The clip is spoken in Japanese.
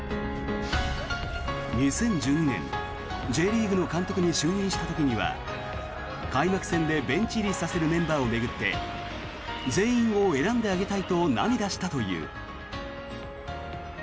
２０１２年Ｊリーグの監督に就任した時には開幕戦でベンチ入りさせるメンバーを巡って全員を選んであげたいと涙したという。